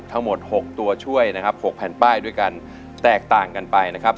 ทั้งหมดหกตัวช่วยนะครับ๖แผ่นป้ายด้วยกันแตกต่างกันไปนะครับ